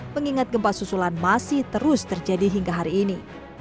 mengingat gempa susulan masih terus terjadi hingga hari ini